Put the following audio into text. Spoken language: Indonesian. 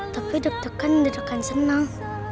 tapi deg degan deg degan senang